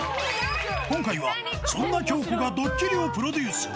今回はそんな京子がドッキリをプロデュース。